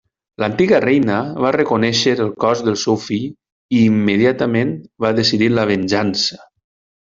L'antiga reina va reconèixer el cos del seu fill i immediatament va decidir la venjança.